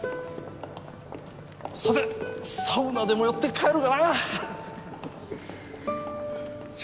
さてサウナでも寄って帰ろうかなはははっ。